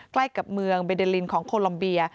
ใกล้กับเมืองเบเดลินของโคลัมเบีย